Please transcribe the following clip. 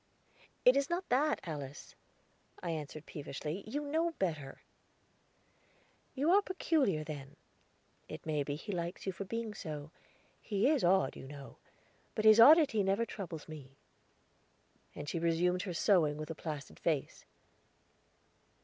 "It is not that, Alice," I answered peevishly; "you know better." "You are peculiar, then; it may be he likes you for being so. He is odd, you know; but his oddity never troubles me." And she resumed her sewing with a placid face.